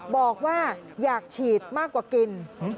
บอกว่าอยากฉีดมากกว่ากิน